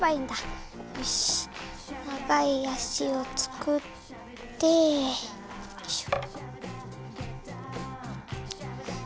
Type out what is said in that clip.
よし長い足をつくってよいしょ。